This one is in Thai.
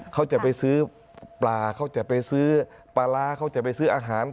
เขาจะไปซื้อปลาเขาจะไปซื้อปลาร้าเขาจะไปซื้ออาหาร